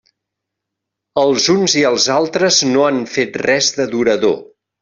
Els uns i els altres no han fet res de durador.